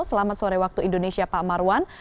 selamat sore waktu indonesia pak marwan